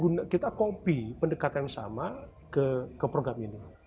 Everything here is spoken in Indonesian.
nah kita copy pendekatan yang sama ke program ini